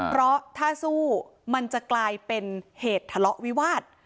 เพราะถ้าสู้มันจะกลายเป็นเหตุทะเลาะวิวาส